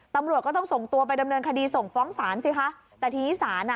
ตำรวจก็ต้องส่งตัวไปดำเนินคดีส่งฟ้องศาลสิคะแต่ทีนี้ศาลอ่ะ